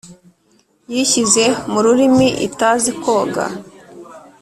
yishyize mu rumira itazi kwoga,